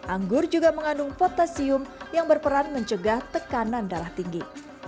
anggur juga mengandung potasium yang berperan mencegah tekanan darah tinggi